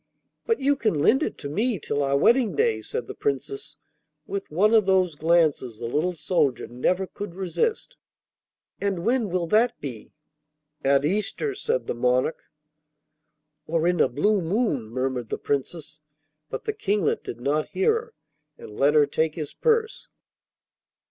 'But you can lend it to me till our wedding day,' said the Princess with one of those glances the little soldier never could resist. 'And when will that be?' 'At Easter,' said the monarch. 'Or in a blue moon!' murmured the Princess; but the Kinglet did not hear her and let her take his purse.